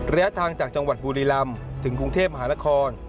ระยะทางจากจังหวัดบุรีลำถึงกรุงเทพมหานคร